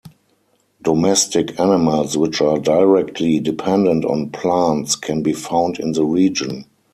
Domestic animals which are directly dependent on plants can be found in the region.